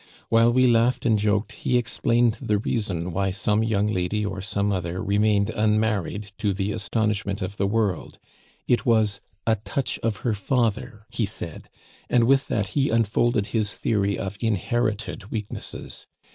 While we laughed and joked, he explained the reason why some young lady or some other remained unmarried, to the astonishment of the world it was 'a touch of her father,' he said, and with that he unfolded his theory of inherited weaknesses.